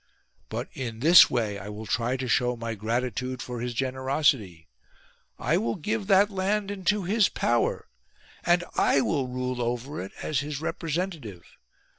But in this way I will try to show my gratitude for his gener osity. I will give that land into his power ; and I will rule over it as his representative.